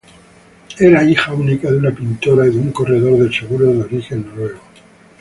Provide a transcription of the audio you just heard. Era hija única de una pintora y un corredor de seguros de origen noruego.